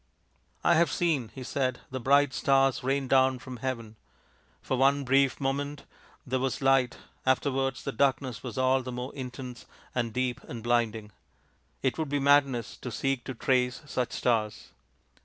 " I have seen/' he said, " the bright stars rain down from heaven. For one brief moment there was light afterwards the darkness was all the more intense and deep and blinding. It would be madness to seek to trace such stars."